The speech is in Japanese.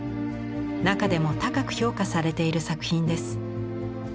中でも高く評価されている作品です。